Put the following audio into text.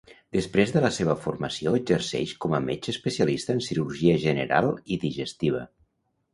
Després de la seva formació exerceix com a metge especialista en cirurgia general i digestiva.